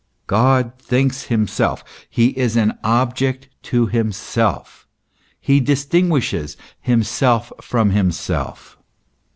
God thinks himself, he is an object to himself; he distinguishes himself from himself.